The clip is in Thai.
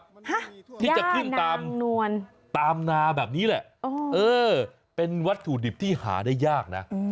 ฮะย่านางนวลที่จะขึ้นตามนาแบบนี้แหละเออเป็นวัตถุดิบที่หาได้ยากนะ